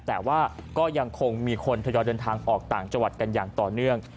แต่ว่าก็ยังคงมีคนทยอยเดินทางออกต่างจังหวัดกันอย่างต่อเนื่อง